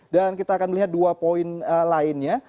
dan kita akan melihat dua poin lainnya